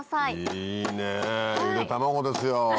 いいねゆで卵ですよ。